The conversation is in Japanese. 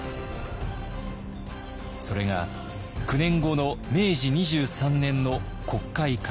それが９年後の明治２３年の国会開設。